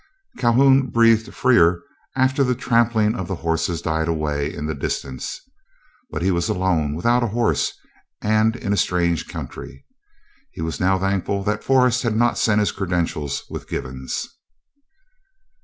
Calhoun breathed freer after the trampling of their horses died away in the distance. But he was alone, without a horse, and in a strange country. He was now thankful that Forrest had not sent his credentials with Givens.